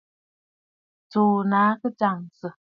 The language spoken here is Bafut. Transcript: Tsùù nàa kɨ jasə.